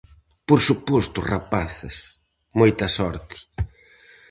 Por suposto rapaces, moita sorte!